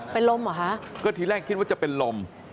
เป็นลมเหรอคะก็ทีแรกคิดว่าจะเป็นลม